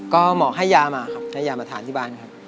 ก็หมอให้ยามาครับให้ยามาทานที่บ้านครับ